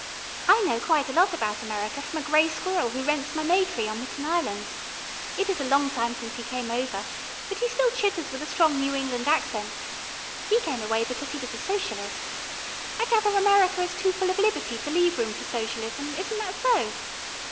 I know quite a lot about America from a grey squirrel who rents my may tree on Mitten Island. It is a long time since he came over, but he still chitters with a strong New England accent. He came away because he was a socialist. I gather America is too full of Liberty to leave room for socialism, isn't that so?